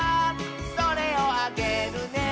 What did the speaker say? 「それをあげるね」